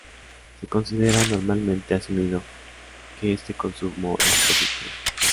Se considera normalmente asumido que este consumo es positivo.